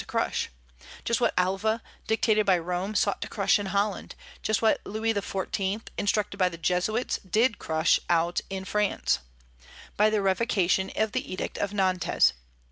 to crush; just what Alva, dictated by Rome, sought to crush in Holland; just what Louis XIV., instructed by the Jesuits, did crush out in France, by the revocation of the Edict of Nantes.